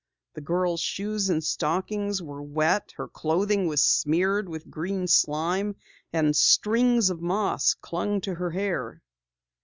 The girl's shoes and stockings were wet, her clothing was smeared with green slime, and strings of moss clung to her hair.